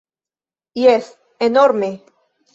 Jes, enorme!